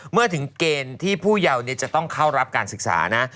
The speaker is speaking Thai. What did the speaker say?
เมื่อถึงเกณฑ์ที่ผู้เยาจะต้องเข้ารับการศึกษานะ